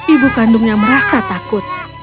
ibu kandungnya merasa takut